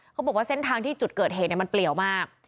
เขาบอกว่าเส้นทางที่จุดเกิดเหตุมันเปลี่ยวมาก